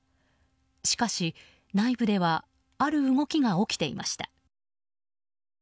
しかし内部ではある動きが起きていました。